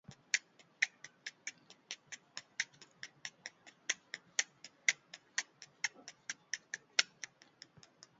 Horrek, erditzea mingarriagoa bihurtu duela pentsatzen da.